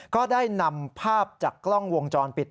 ก็ได้นำภาพจากกล้องวงจรปิด